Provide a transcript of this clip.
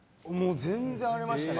全然ありましたね。